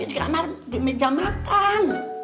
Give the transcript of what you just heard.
di kamar di meja makan